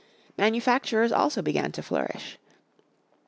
Manufacturers also began to flourish.